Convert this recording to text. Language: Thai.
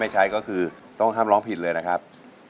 ใช้ก็คือต้องห้ามร้องผิดเลยนะครับ